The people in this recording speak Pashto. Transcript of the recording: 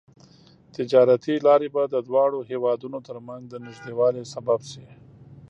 تجارتي لارې به د دواړو هېوادونو ترمنځ د نږدیوالي سبب شي.